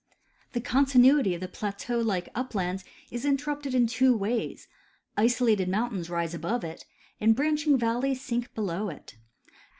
The continuity of the plateau like uplands is interrupted in two ways ; isolated mountains rise above it, and branching valleys sink below it.